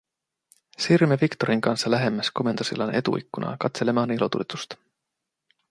Siirryimme Victorin kanssa lähemmäs komentosillan etuikkunaa katselemaan ilotulitusta.